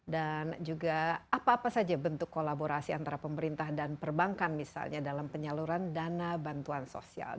juga apa apa saja bentuk kolaborasi antara pemerintah dan perbankan misalnya dalam penyaluran dana bantuan sosial